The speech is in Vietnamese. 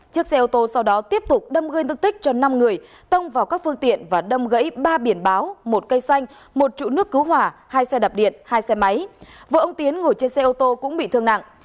chiếc xe ô tô sau đó tiếp tục đâm gây thương tích cho năm người tông vào các phương tiện và đâm gãy ba biển báo một cây xanh một trụ nước cứu hỏa hai xe đạp điện hai xe máy vợ ông tiến ngồi trên xe ô tô cũng bị thương nặng